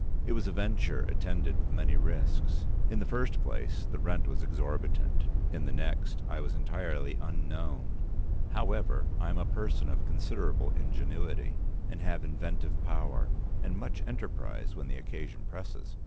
It was a venture attended with many risks. In the first place the rent was exorbitant, in the next I was entirely unknown. However, I am a person of considerable ingenuity, and have inventive power, and much enterprise when the occasion presses.